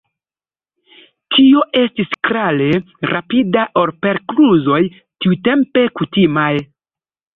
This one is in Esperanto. Tio estis klare rapida ol per kluzoj tiutempe kutimaj.